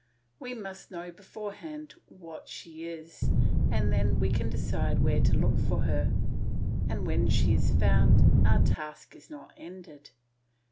We must know beforehand what she is, and then we can decide where to look for her. And when she is found, our task is not ended.